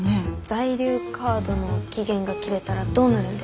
在留カードの期限が切れたらどうなるんですか？